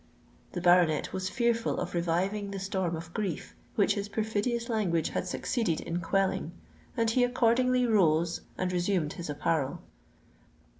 The baronet was fearful of reviving the storm of grief which his perfidious language had succeeded in quelling; and he accordingly rose and resumed his apparel.